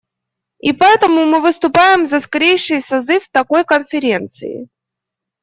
И поэтому мы выступаем за скорейший созыв такой конференции.